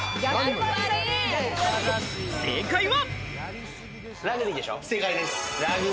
正解は。